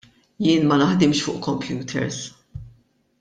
Jien ma naħdimx fuq computers.